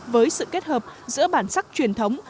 với sự kết hợp giữa bản sắc truyền thống